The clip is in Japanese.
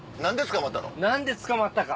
何で捕まったの？